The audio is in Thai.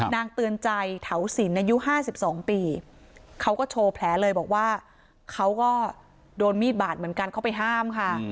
เตือนใจเถาสินอายุ๕๒ปีเขาก็โชว์แผลเลยบอกว่าเขาก็โดนมีดบาดเหมือนกันเข้าไปห้ามค่ะ